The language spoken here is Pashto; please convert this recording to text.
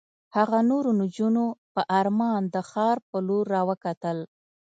هغه نورو نجونو په ارمان د ښار په لور را وکتل.